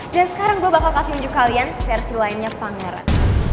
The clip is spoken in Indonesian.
dan sekarang gue bakal kasih nunjuk kalian versi lainnya pangeran